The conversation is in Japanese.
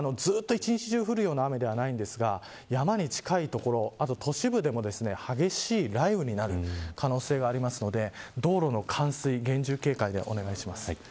関東はずっと一日中降るような雨ではないんですが山に近い所、あと都市部でも激しい雷雨になる可能性があるので道路の冠水に厳重警戒でお願いします。